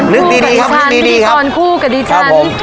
นึกดีนึกดีค่ะ